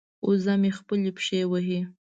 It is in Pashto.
وزه مې خپلې پښې وهي.